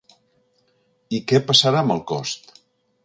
I què passarà amb el cost?